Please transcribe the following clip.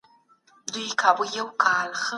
که مسلمانان په رښتیا سره یو سي ستونزې به ختمې سي.